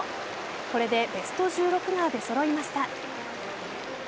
これでベスト１６が出そろいました。